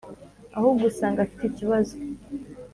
Ahubwo usanga afite ikibazo .